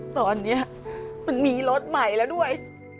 ตอนนี้มันมีรถใหม่แล้วด้วย